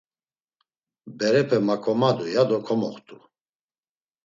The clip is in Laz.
Berepe maǩomadu, ya do komoxt̆u.